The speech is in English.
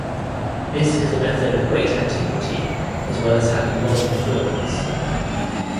This is a method of great antiquity, as well as having modern equivalents.